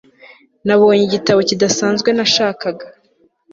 nabonye igitabo kidasanzwe nashakaga